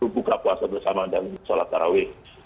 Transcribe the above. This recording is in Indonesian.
buka puasa bersama dan salat tarawih